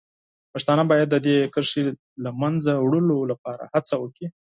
پښتانه باید د دې کرښې د له منځه وړلو لپاره هڅه وکړي.